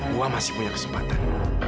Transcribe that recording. gue masih punya kesempatan